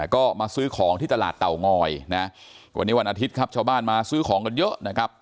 ก็มาซื้อของที่ตลาดเตางอยนะวันนี้วันอาทิตย์ครับชาวบ้านมาซื้อของกันเยอะนะครับ